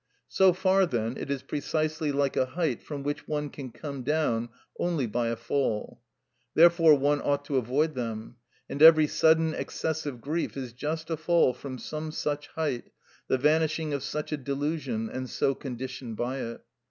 So far, then, it is precisely like a height from which one can come down only by a fall. Therefore one ought to avoid them; and every sudden excessive grief is just a fall from some such height, the vanishing of such a delusion, and so conditioned by it.